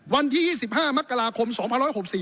วันที่๒๕มคศ๒๖๔